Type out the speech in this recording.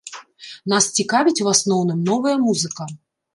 Нас цікавіць, у асноўным, новая музыка.